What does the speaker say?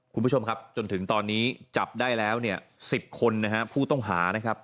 คุณผู้ชมครับจนถึงตอนนี้จับได้แล้ว๑๐คนผู้ต้องหา